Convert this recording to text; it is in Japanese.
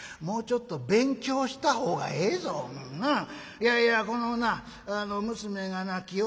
いやいやこのな娘がなきよ